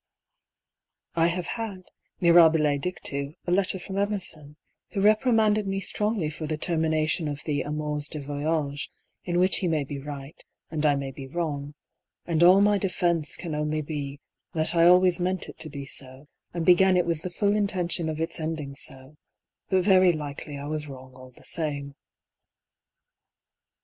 I have had, mirahile dictu, a letter from Emerson, who reprimanded me strongly for the termination of the ' Amours de Voyage,' in which he may be riglit, and I may be wi'ong ; and all my defence can only be, that I always meant it to be so, and began it with the full intention of its ending so ; but very likely I was wrong all the same.